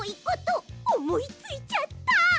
ことおもいついちゃった！